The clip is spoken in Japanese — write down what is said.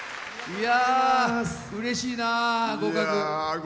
うれしいな、合格。